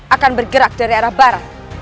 akan bergerak dari arah barat